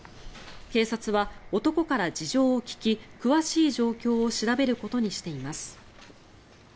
警察は男から事情を聴き詳しい状況を調べることにしています。